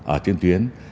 ở trên tuyến